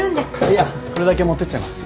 いやこれだけ持ってっちゃいます。